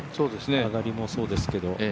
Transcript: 上がりもそうでしたけど。